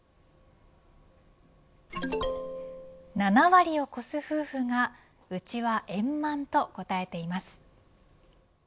７割を超す夫婦がうちは円満、と答えています。